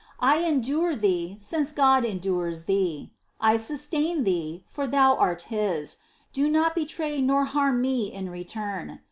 I endure thee, since God endures thee : I sustain thee, for thou art His ; do not betray nor harm me in return.